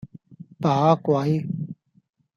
把鬼!